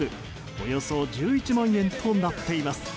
およそ１１万円となっています。